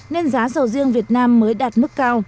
nên giá sầu riêng việt nam mới đạt được